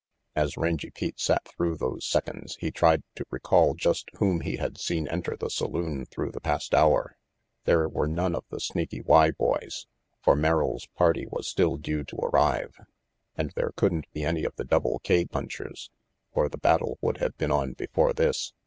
As Rangy Pete sat through those seconds, he tried to recall just whom he had seen enter the saloon through the past hour. There were none of the Snaky Y boys, for Merrill's party was still due to arrive. And there couldn't be any of the Double K punchers, or the battle would have been on before this.